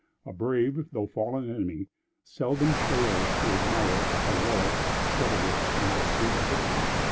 A brave though fallen enemy, seldom fails to admire a heroic, chivalrous and discreet victor.